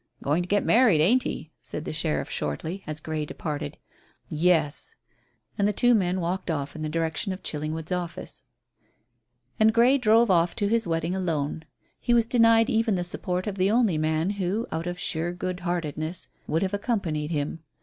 "Going to get married, ain't he?" said the sheriff shortly, as Grey departed. "Yes." And the two men walked off in the direction of Chillingwood's office. And Grey drove off to his wedding alone. He was denied even the support of the only man who, out of sheer good heartedness, would have accompanied him.